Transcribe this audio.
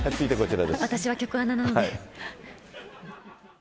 私は局アナなので。